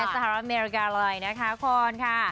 สหรัฐอเมริกาลอยนะคะคอนค่ะ